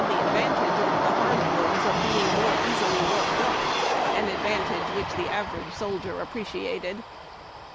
the advantage over tlie hard woods of beinc^ more easily worked up •— an advantage which the average soldier appreciated.